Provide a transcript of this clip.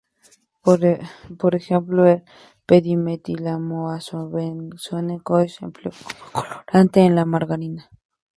Por ejemplo, el p-dimetilaminoazobenceno se empleó como colorante en la margarina.